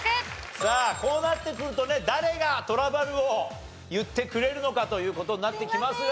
さあこうなってくるとね誰がトラバるを言ってくれるのかという事になってきますが。